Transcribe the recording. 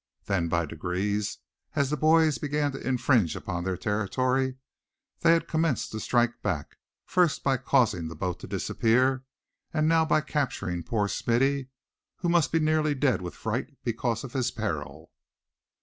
Then, by degrees, as the boys began to infringe on their territory, they had commenced to strike back; first by causing the boat to disappear; and now by capturing poor Smithy, who must be nearly dead with fright because of his peril.